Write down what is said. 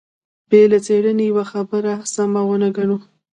بې له څېړنې يوه خبره سمه ونه ګڼو.